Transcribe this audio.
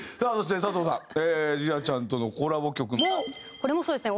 これもそうですね。